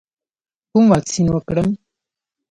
کوم واکسین وکړم؟